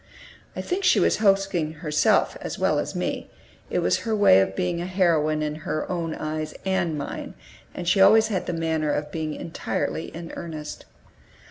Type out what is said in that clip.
I think she was hoaxing herself as well as me; it was her way of being a heroine in her own eyes and mine, and she had always the manner of being entirely in earnest.